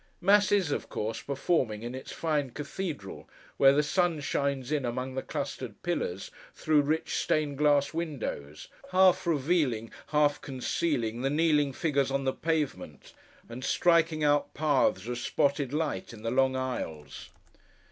Mass is, of course, performing in its fine cathedral, where the sun shines in among the clustered pillars, through rich stained glass windows: half revealing, half concealing the kneeling figures on the pavement, and striking out paths of spotted light in the long aisles.